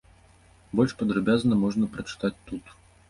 Больш падрабязна можна прачытаць тут.